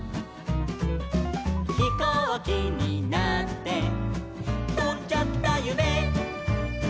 「ひこうきになってとんじゃったゆめ」